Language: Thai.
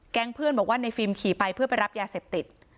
เพื่อนบอกว่าในฟิล์มขี่ไปเพื่อไปรับยาเสพติด